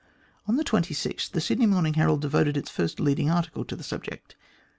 On the 26th, the Sydney Morning Herald devoted its first leading article to the subject.